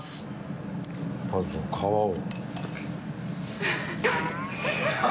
まずは皮を。